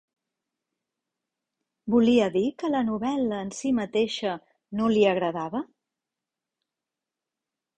¿Volia dir que la novel·la en si mateixa no li agradava?